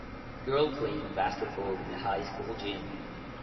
Girl playing basketball in a high school gym